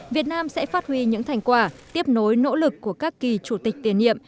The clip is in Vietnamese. việt nam sẽ phát huy những thành quả tiếp nối nỗ lực của các kỳ chủ tịch tiền nhiệm